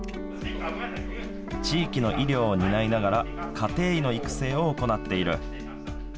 地域の医療を担いながら家庭医の育成を行っている。